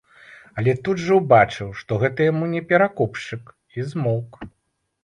Але тут жа ўбачыў, што гэта яму не перакупшчык, і змоўк.